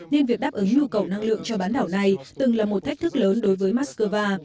nên việc đáp ứng nhu cầu năng lượng cho bán đảo này từng là một thách thức lớn đối với moscow